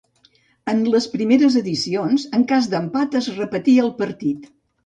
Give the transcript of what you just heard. En les primeres edicions, en cas d'empat es repetia el partit.